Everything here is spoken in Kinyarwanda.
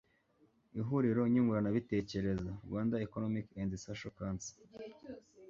ihuriro nyunguranabitekerezo (rwanda economic and social council